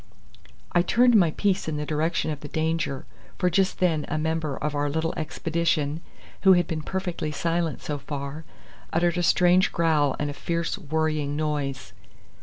I turned my piece in the direction of the danger, for just then a member of our little expedition, who had been perfectly silent so far, uttered a savage growl and a fierce worrying noise.